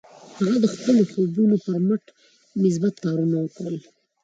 هغه د خپلو خوبونو پر مټ مثبت کارونه وکړل